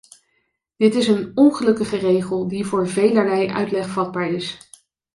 Dit is een ongelukkige regel die voor velerlei uitleg vatbaar is.